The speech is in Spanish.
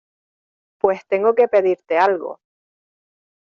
pues tengo que pedirte algo.